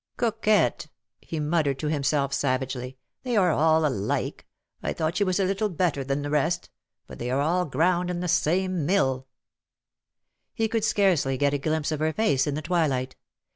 " Coquette,^' he muttered to himself savagely. ^' They are all alike. I thought she was a little AND SUCH DEADLY FRUIT/' 241 better than the rest; but they are all ground in the same mill/' He could scarcely get a glimpse of her face in the twilight.